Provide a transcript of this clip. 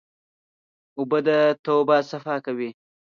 اوبه د توبه صفا کوي.